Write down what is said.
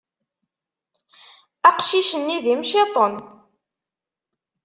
Aqcic-nni d imciṭṭen.